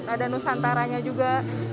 ada nusantaranya juga